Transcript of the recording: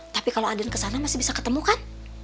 tapi kalau aden ke sana masih bisa ketemu kan